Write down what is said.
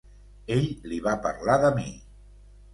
Ell li va parlar de mi.